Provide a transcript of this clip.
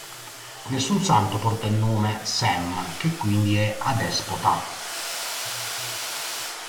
Nessun santo porta il nome Sam, che quindi è adespota.